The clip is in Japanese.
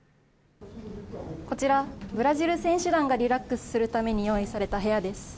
こちら、ブラジル選手団がリラックスするために用意された部屋です。